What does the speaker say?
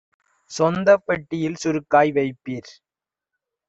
சொந்தப் பெட்டியில் சுருக்காய் வைப்பீர்"